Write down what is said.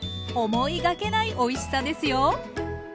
思いがけないおいしさですよ。